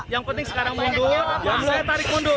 yang penting sekarang mundur